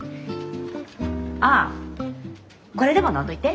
ああこれでも飲んどいて。